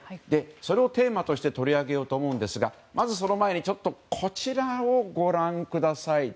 それをテーマとして取り上げようと思うんですがまずその前にこちらをご覧ください。